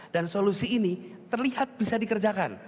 dan solusi ini terlihat bisa dikerjakan